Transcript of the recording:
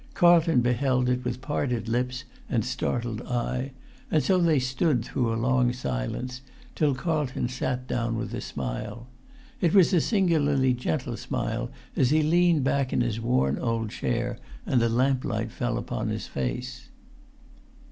Carlton beheld it with parted lips and startled eye; and so they stood through a long silence, till Carlton sat down[Pg 232] with a smile. It was a singularly gentle smile, as he leant back in his worn old chair, and the lamplight fell upon his face.